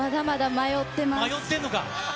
迷ってんのか。